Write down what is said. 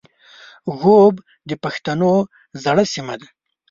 ږوب د پښتنو زړه سیمه ده